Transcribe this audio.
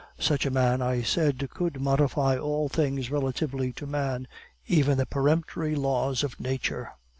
Such a man, I said, could modify all things relatively to man, even the peremptory laws of nature.